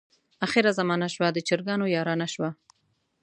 اخره زمانه شوه د چرګانو یارانه شوه.